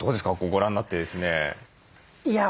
ご覧になってですね。